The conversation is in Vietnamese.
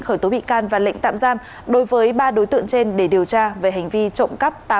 khởi tố bị can và lệnh tạm giam đối với ba đối tượng trên để điều tra về hành vi trộm cắp